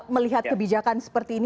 melihat kebijakan seperti ini